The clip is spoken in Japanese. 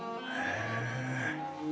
へえ。